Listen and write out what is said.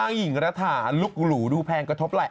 อ่ะเอาเค้ย